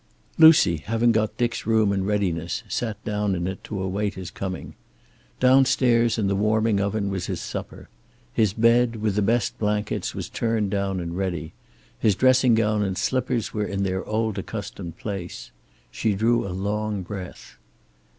Lucy, having got Dick's room in readiness, sat down in it to await his coming. Downstairs, in the warming oven, was his supper. His bed, with the best blankets, was turned down and ready. His dressing gown and slippers were in their old accustomed place. She drew a long breath.